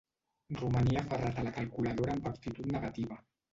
Romania aferrat a la calculadora amb actitud negativa.